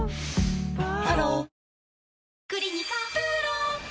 ハロー